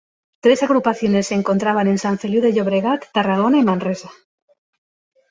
Tres agrupaciones se encontraban en San Feliu de Llobregat, Tarragona y Manresa.